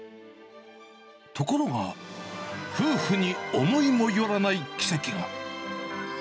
ところが、夫婦に思いも寄らない奇跡が。